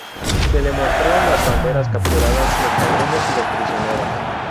Se le mostraron las banderas capturadas, los cañones y los prisioneros.